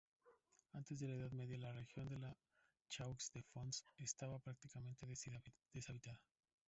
Antes de la Edad Media, la región de La Chaux-de-Fonds estaba prácticamente deshabitada.